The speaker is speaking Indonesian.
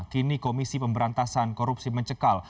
kini komisi pemberantasan korupsi mencekal